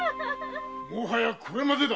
もはやこれまでだ。